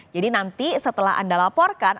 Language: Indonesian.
jadi nanti setelah anda laporkan